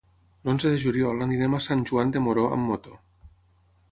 L'onze de juliol anirem a Sant Joan de Moró amb moto.